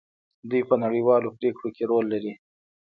دوی په نړیوالو پریکړو کې رول لري.